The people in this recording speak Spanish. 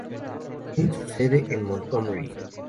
Tiene su sede en Montgomery.